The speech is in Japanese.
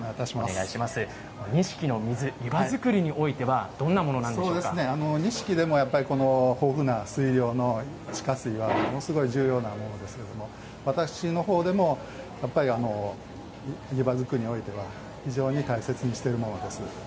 錦の水、湯葉作りにおいては錦でも豊富な水量の地下水はものすごい重要なものですけれども私のほうでもやっぱり湯葉作りにおいては非常に大切にしてるものです。